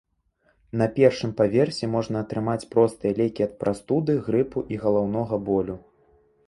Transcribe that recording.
На першым паверсе можна атрымаць простыя лекі ад прастуды, грыпу і галаўнога болю.